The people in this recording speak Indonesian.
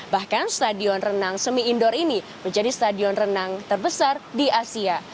bahkan stadion renang semi indoor ini menjadi stadion renang terbesar di asia